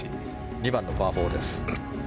２番のパー４です。